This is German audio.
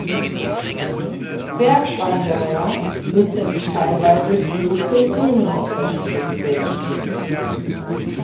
Bergwanderer müssen teilweise große Höhenunterschiede bewältigen.